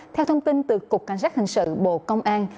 theo thông tin từ cục cảnh sát hình sự bộ công an